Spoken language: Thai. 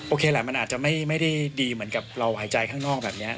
แหละมันอาจจะไม่ได้ดีเหมือนกับเราหายใจข้างนอกแบบนี้